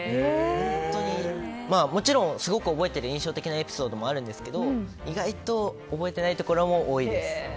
本当に、すごく覚えてる印象的なエピソードもあるんですけど、意外と覚えてないところも多いです。